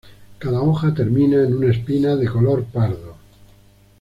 Cada hoja termina en una espina de color pardo.